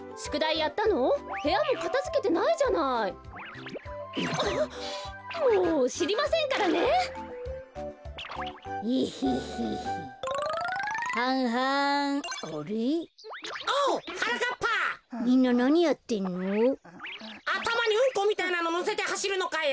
あたまにうんこみたいなののせてはしるのかよ。